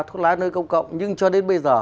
thuốc lái ở nơi công cộng nhưng cho đến bây giờ